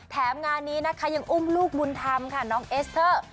งานนี้นะคะยังอุ้มลูกบุญธรรมค่ะน้องเอสเตอร์